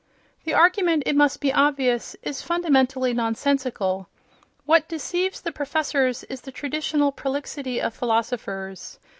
The argument, it must be obvious, is fundamentally nonsensical. What deceives the professors is the traditional prolixity of philosophers.